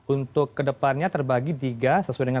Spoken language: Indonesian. untuk kedepannya terbagi tiga sesuai dengan